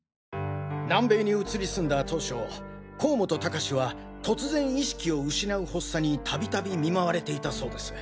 南米に移り住んだ当初甲本高士は突然意識を失う発作に度々見舞われていたそうです。